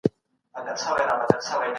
بشر د روغتیا په اړه ډېر فکر کوي.